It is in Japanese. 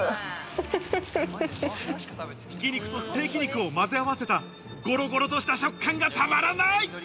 挽き肉とステーキ肉をまぜ合わせたゴロゴロとした食感がたまらない。